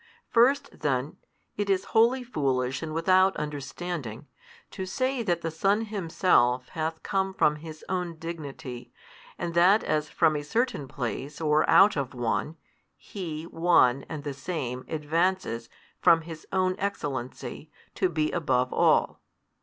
First then, it is wholly foolish and without understanding, to say that the Son Himself hath come from His Own Dignity, and that as from a certain place or out of one, He One and the Same advances from His Own Excellency to be above all.